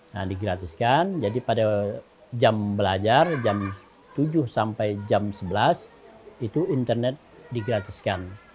nah digratiskan jadi pada jam belajar jam tujuh sampai jam sebelas itu internet digratiskan